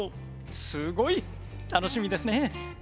すごい。楽しみですね。